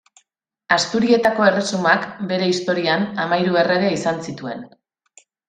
Asturietako Erresumak, bere historian, hamahiru errege izan zituen.